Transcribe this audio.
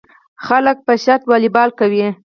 خلک په شرط والیبال کوي.